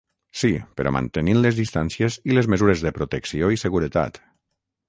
Sí, però mantenint les distàncies i les mesures de protecció i seguretat.